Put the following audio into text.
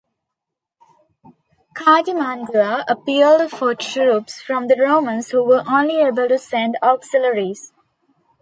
Cartimandua appealed for troops from the Romans, who were only able to send auxiliaries.